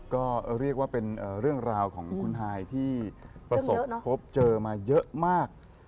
ก็เรียกว่าเป็นเรื่องราวของคุณฮายที่ประสบพบเจอมาเยอะมาก